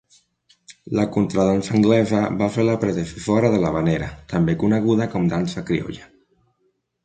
La contradansa anglesa va ser la predecessora de l""havanera", també coneguda com dansa criolla.